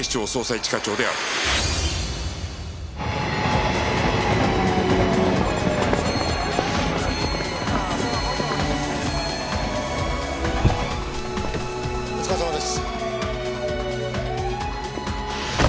一課長お疲れさまです。